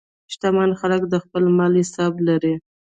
شتمن خلک د خپل مال حساب لري.